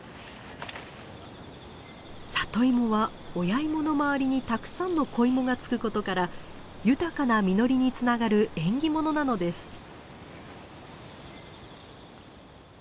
里芋は親芋の周りにたくさんの子芋が付くことから豊かな実りにつながる「縁起物」なのです。